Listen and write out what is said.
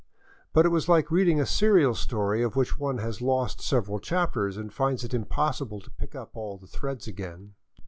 But it was like reading a serial story of which one has lost several chapters and finds it impossible to pick up all the threads again.